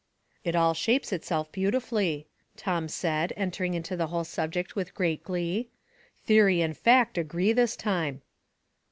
It all shapes itself beautifully," Tom said, en tering into the whole subject with great glee. "Theory and fact agree this time."